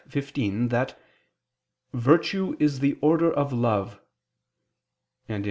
xv) that "virtue is the order of love," and (QQ.